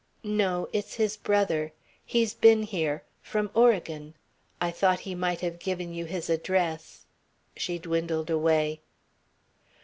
"No. It's his brother. He's been here. From Oregon. I thought he might have given you his address " she dwindled away.